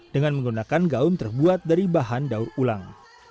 dengan menggunakan gaun terbuat dari bahan daur ulang